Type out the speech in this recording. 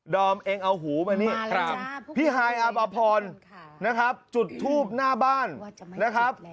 อมเองเอาหูมานี่พี่ฮายอามพรนะครับจุดทูบหน้าบ้านนะครับ